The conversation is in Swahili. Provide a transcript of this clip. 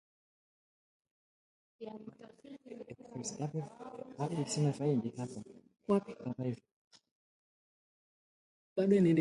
Wa kwanza